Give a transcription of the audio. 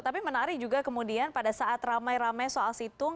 tapi menarik juga kemudian pada saat ramai ramai soal situng